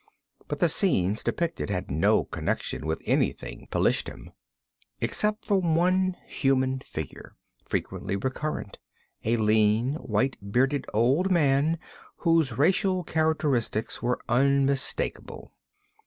But the scenes depicted had no connection with anything Pelishtim, except for one human figure, frequently recurrent: a lean, white bearded old man whose racial characteristics were unmistakable.